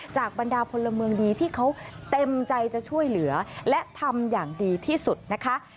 บรรดาพลเมืองดีที่เขาเต็มใจจะช่วยเหลือและทำอย่างดีที่สุดนะคะ